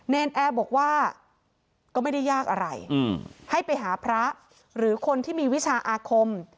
นแอร์บอกว่าก็ไม่ได้ยากอะไรให้ไปหาพระหรือคนที่มีวิชาอาคม